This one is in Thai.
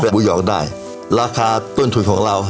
หมูหยอกได้ราคาต้นทุนของเรา